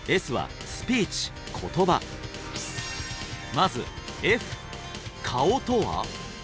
まず「Ｆ」顔とは？